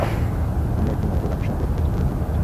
আমরা একটু মনোযোগ আকর্ষণ করে ফেলেছি বলে মনে হচ্ছে।